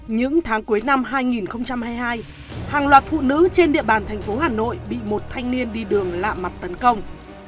những tháng cuối năm hai nghìn hai mươi hai hàng loạt phụ nữ trên địa bàn thành phố hà nội bị một thanh niên đi đường lạ mặt tấn công